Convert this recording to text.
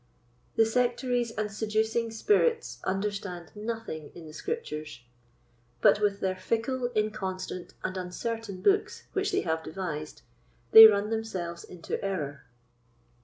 The sectaries and seducing spirits understand nothing in the Scriptures; but with their fickle, inconstant, and uncertain books which they have devised, they run themselves into error.